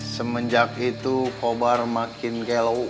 semenjak itu kobar makin gelo neng